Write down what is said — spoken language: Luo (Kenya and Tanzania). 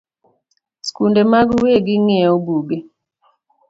Sikunde mag wegi ng’iewo buge